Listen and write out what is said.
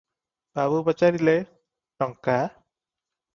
ବାବୁ ପଚାରିଲେ- ଟଙ୍କା?